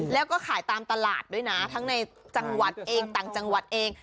แล้วก็ขายตามตลาดด้วยนะทั้งในจังหวัดเองต่างจังหวัดเอง